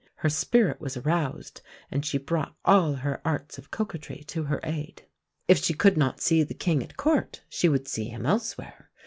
Her spirit was aroused, and she brought all her arts of coquetry to her aid. If she could not see the King at Court she would see him elsewhere.